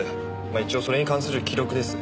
まあ一応それに関する記録です。